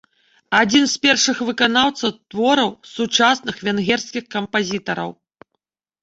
Адзін з першых выканаўцаў твораў сучасных венгерскіх кампазітараў.